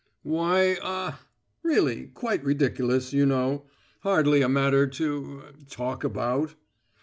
"Why ah really quite ridiculous, you know. Hardly a matter to ah talk about."